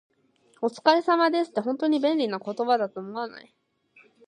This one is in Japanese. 「お疲れ様です」って、本当に便利な言葉だと思わない？